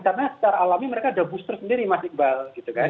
karena secara alami mereka sudah booster sendiri mas ispal